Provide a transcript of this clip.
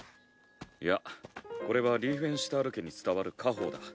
いやこれはリーフェンシュタール家に伝わる家宝だ。